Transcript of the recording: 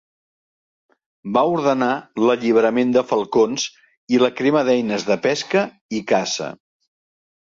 Va ordenar l'alliberament de falcons i la crema d'eines de pesca i caça.